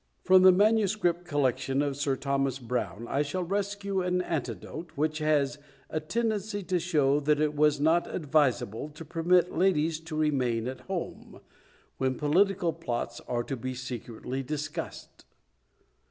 From the MS. collection of Sir Thomas Browne, I shall rescue an anecdote, which has a tendency to show that it is not advisable to permit ladies to remain at home, when political plots are to be secretly discussed.